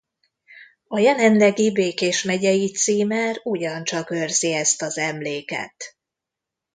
A jelenlegi Békés megyei címer ugyancsak őrzi ezt az emléket.